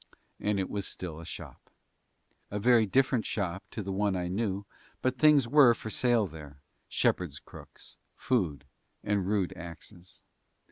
And it was still a shop. A very different shop to the one I knew, but things were for sale there shepherd's crooks, food, and rude axes.